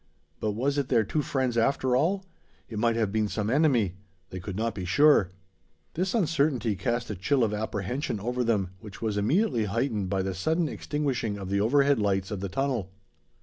But was it their two friends after all? It might have been some enemy! They could not be sure. This uncertainty cast a chill of apprehension over them, which was immediately heightened by the sudden extinguishing of the overhead lights of the tunnel.